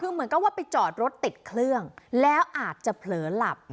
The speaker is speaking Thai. คือเหมือนกับว่าไปจอดรถติดเครื่องแล้วอาจจะเผลอหลับ